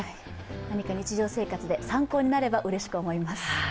何か日常生活で参考になればうれしく思います。